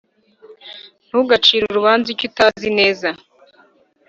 ntugacire urubanza icyo utazi neza